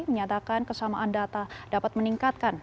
menyatakan kesamaan data dapat meningkatkan